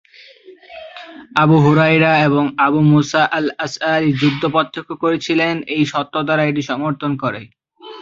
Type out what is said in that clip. Abu Hurairah এবং Abu Musa al-Ashari যুদ্ধ প্রত্যক্ষ করেছিলেন এই সত্য দ্বারা এটি সমর্থন করে।